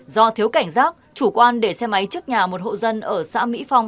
do thiếu cảnh giác chủ quan để xe máy trước nhà một hộ dân ở xã mỹ phong